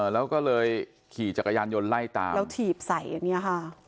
แล้วก็เลยขี่จักรยานยนต์ไล่ตามแล้วถีบใส่อันนี้ค่ะ